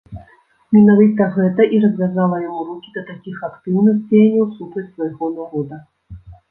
Менавіта гэта і развязала яму рукі да такіх актыўных дзеянняў супраць свайго народа.